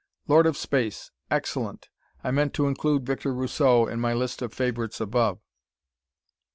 "Lord of Space" excellent. I meant to include Victor Rousseau in my list of favorites above.